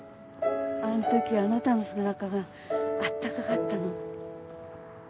あの時あなたの背中があったかかったの。